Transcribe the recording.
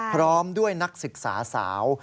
พร้อมด้วยนักศึกษาสาว